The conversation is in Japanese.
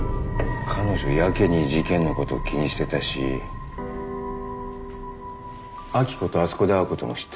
彼女やけに事件のことを気にしてたし明子とあそこで会うことも知ってた。